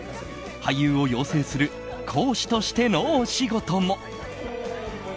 俳優を養成する講師としてのお仕事も。